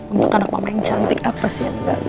untuk anak mama yang cantik apa sih